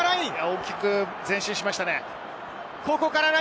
大きく前進しましたね。